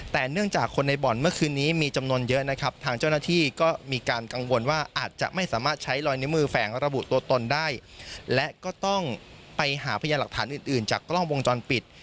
แต่เนื่องจากคนในบ่อนเมื่อคืนนี้มีจำนวนเยอะนะครับทางเจ้าหน้าที่ก็มีการกังวลว่าอาจจะไม่สามารถใช้ลอยนิ้วมือแฝงระบุตัวตนได้และก็ต้องไปหาพยานหลักฐานอื่นอื่นจากกล้องวงจรปิด